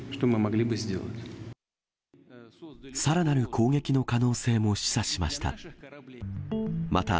さらなる攻撃の可能性も示唆しました。